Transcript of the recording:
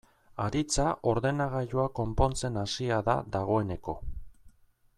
Aritza ordenagailua konpontzen hasia da dagoeneko.